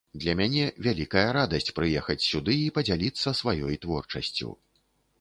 Для мяне вялікая радасць прыехаць сюды і падзяліцца сваёй творчасцю.